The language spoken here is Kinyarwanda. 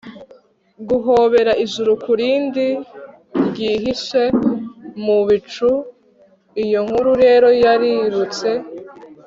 guhobera ijuru kurindi ryihishe mu bicu. iyo nkuru rero yarirutse